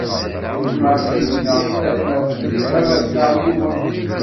Di tnac yid-nneɣ d atmaten, baba-tneɣ yiwen.